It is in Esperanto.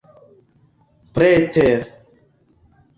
preter